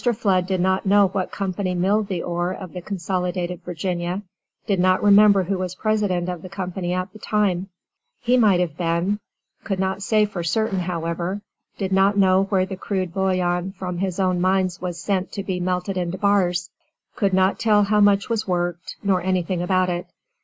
Flood did not know what company milled the ore of the Consolidated Virginia; did not remember who was President of the company at the time; he might have been; could not say for certain however; did not know where the crude bullion from his own mines was sent to be melted into bars; could not tell how much was worked, nor anything about it.